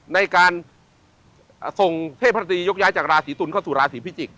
ในการส่งเทพตรียกย้ายจากราศีตุลเข้าสู่ราศีพิจิกษ